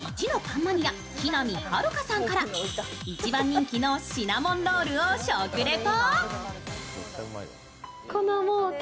まずは芸能界一のパンマニア木南晴夏さんから一番人気のシナモンロールを食レポ。